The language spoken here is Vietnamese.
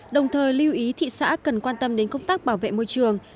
đồng thời lưu ý thị xã cần quan tâm đến công tác bảo vệ môi trường